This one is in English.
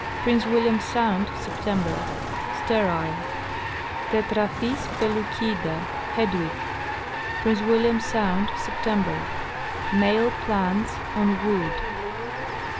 Prince William sound, September. Sterile. Tetraphis pellucida, Hedw. Prince William sound, September. Male plants, on wood.